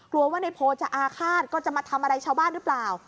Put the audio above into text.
กลัวว่าในโพจะอาฆาตก็จะมาทำอะไรชาวบ้านหรือเปล่า